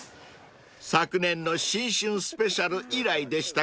［昨年の新春スペシャル以来でしたかね］